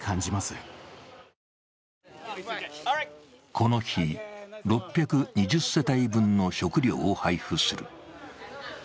この日、６２０世帯分の食料を配布する。